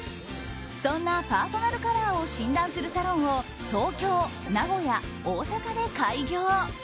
そんなパーソナルカラーを診断するサロンを東京、名古屋、大阪で開業。